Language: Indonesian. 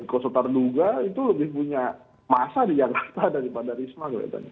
koso tarduga itu lebih punya masa di jakarta daripada risma